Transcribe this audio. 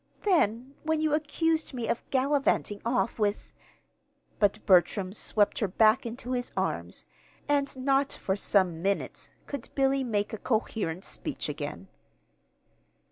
Then, when you accused me of gallivanting off with " But Bertram swept her back into his arms, and not for some minutes could Billy make a coherent speech again.